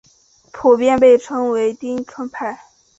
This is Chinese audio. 普遍被称为町村派。